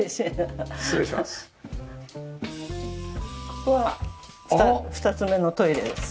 ここは２つ目のトイレです。